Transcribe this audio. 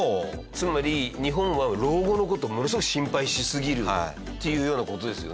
つまり日本は老後の事をものすごく心配しすぎるっていうような事ですよね。